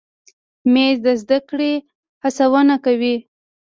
مېز د زده کړې هڅونه کوي.